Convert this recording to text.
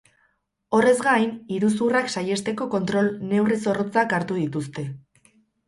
Horrez gain, iruzurrak saihesteko kontrol neurri zorrotzak hartu dituzte.